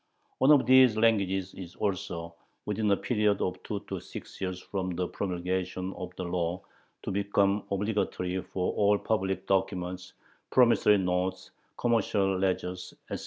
One of these languages is also, within a period of two to six years from the promulgation of the law, to become obligatory for all public documents, promissory notes, commercial ledgers, etc.